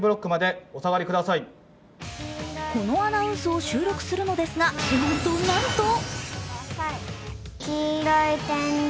５のアナウンスを収録するのですが、なんと、なんと。